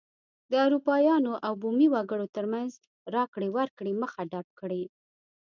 د اروپایانو او بومي وګړو ترمنځ راکړې ورکړې مخه ډپ کړي.